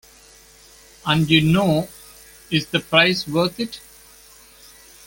And, you know, is the price worth it?